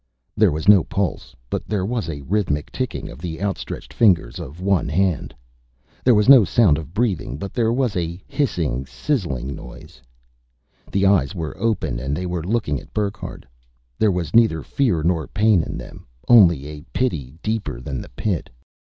_ There was no pulse, but there was a rhythmic ticking of the outstretched fingers of one hand. There was no sound of breathing, but there was a hissing, sizzling noise. The eyes were open and they were looking at Burckhardt. There was neither fear nor pain in them, only a pity deeper than the Pit.